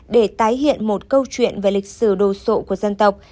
để tái hiện một câu chuyện về lịch sử đồ sộ của dân tộc